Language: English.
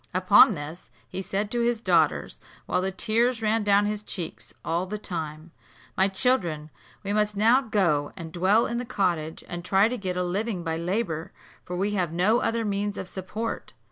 Upon this, he said to his daughters, while the tears ran down his cheeks all the time, "My children, we must now go and dwell in the cottage, and try to get a living by labour, for we have no other means of support."